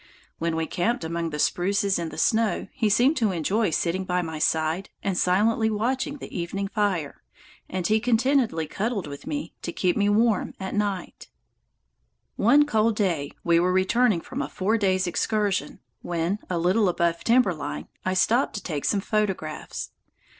When we camped among the spruces in the snow, he seemed to enjoy sitting by my side and silently watching the evening fire, and he contentedly cuddled with me to keep warm at night. [Illustration: THE CLOUD CAPPED CONTINENTAL DIVIDE] One cold day we were returning from a four days' excursion when, a little above timber line, I stopped to take some photographs.